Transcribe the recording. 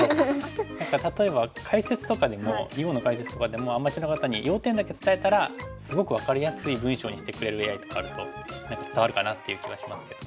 何か例えば解説とかでも囲碁の解説とかでもアマチュアの方に要点だけ伝えたらすごく分かりやすい文章にしてくれるＡＩとかあると伝わるかなっていう気はしますけど。